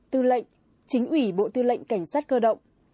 tư lệnh chính ủy bộ tư lệnh cảnh sát cơ động